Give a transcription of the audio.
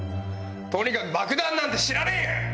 とにかく爆弾なんて知らねえよ！